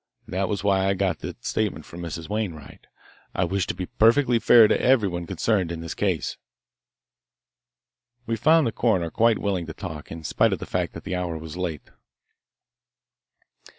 That was why I got that statement from Mrs. Wainwright. I wish to be perfectly fair to everyone concerned in this case." We found the coroner quite willing to talk, in spite of the fact that the hour was late.